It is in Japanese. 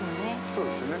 そうですね。